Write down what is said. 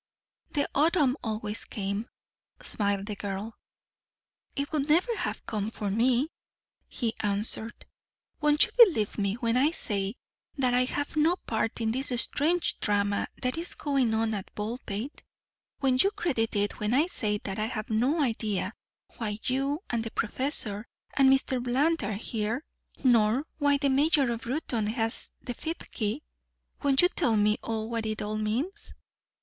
"The autumn always came," smiled the girl. "It would never have come for me," he answered. "Won't you believe me when I say that I have no part in this strange drama that is going on at Baldpate? Won't you credit it when I say that I have no idea why you and the professor and Mr. Bland are here nor why the Mayor of Reuton has the fifth key? Won't you tell me what it all means?"